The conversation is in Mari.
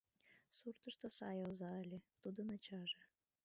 Суртышто сай оза ыле — тудын ачаже.